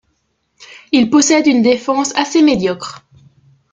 Il possède une défense assez médiocre.